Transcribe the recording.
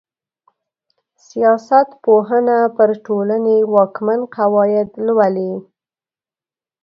سياست پوهنه پر ټولني واکمن قواعد لولي.